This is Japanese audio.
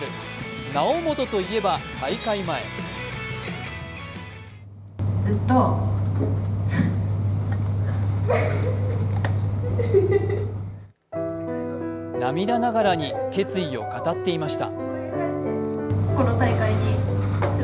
猶本といえば大会前涙ながらに決意を語っていました。